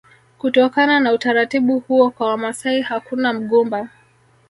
Kutokana na utaratibu huo kwa Wamasai hakuna mgumba